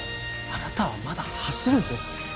あなたはまだ走るんです！